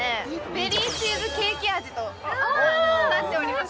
ベリーチーズケーキ味となっております